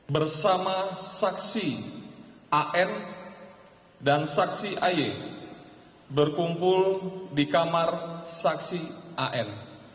bersama saksi an dan saksi aye berkumpul di kamar saksi an